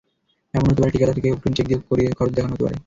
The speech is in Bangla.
এমনও হতে পারে, ঠিকাদারকে অগ্রিম চেক দিয়েও খরচ দেখানো হতে পারে।